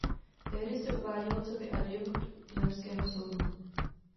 Tehdy se uváděl coby adjunkt zemského soudu.